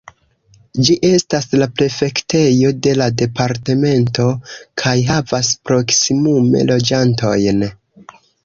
Ĝi estas la prefektejo de la departemento kaj havas proksimume loĝantojn.